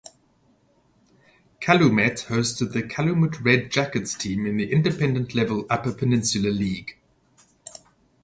Calumet hosted the Calumet Red Jackets team in the Independent level Upper Peninsula League.